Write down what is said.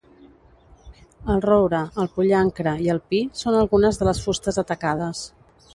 El roure, el pollancre i el pi són algunes de les fustes atacades.